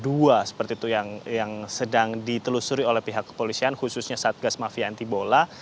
dua seperti itu yang sedang ditelusuri oleh pihak kepolisian khususnya satgas mafia antibola